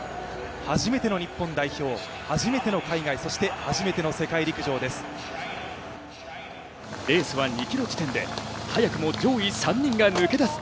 初めての日本代表、初めての海外、そして初めての世界陸上です。